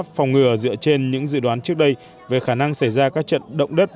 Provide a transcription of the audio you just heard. các biện pháp phòng ngừa dựa trên những dự đoán trước đây về khả năng xảy ra các trận động đất